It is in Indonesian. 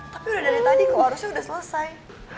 tapi udah dari tadi kok harusnya udah selesai